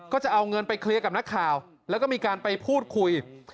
ก็จะเอาเงินไปเคลียร์กับนักข่าวแล้วก็มีการไปพูดคุย